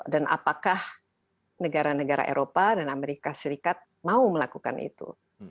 dan apakah negara negara eropa dan amerika serikat mau melakukan itu